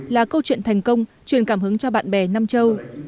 là câu chuyện thành công truyền cảm hứng cho bạn bè nam châu